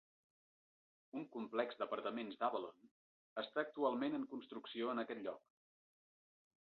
Un complex d'apartaments d'Avalon està actualment en construcció en aquest lloc.